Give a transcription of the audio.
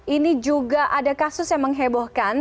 ini juga ada kasus yang menghebohkan